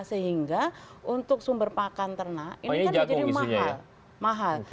sehingga untuk sumber pakan ternak ini kan jadi mahal